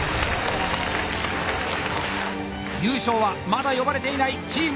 優勝はまだ呼ばれていないチーム